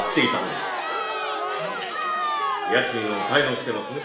家賃を滞納してますね？